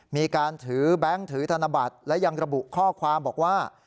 มีการถือแบงค์ถือธนบัตรและยังระบุข้อความบอกว่า